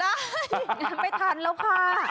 ยังไม่ทันแล้วค่ะ